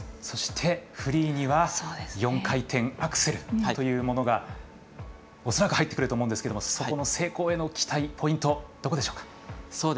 そして、フリーには４回転アクセルというものが恐らく入ってくると思うんですがそこの成功への期待ポイントはどこでしょうか。